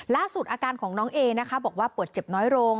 อาการของน้องเอนะคะบอกว่าปวดเจ็บน้อยลง